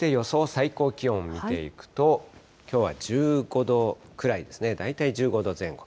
最高気温見ていくと、きょうは１５度くらいですね、大体１５度前後。